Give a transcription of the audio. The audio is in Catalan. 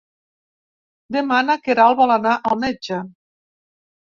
Demà na Queralt vol anar al metge.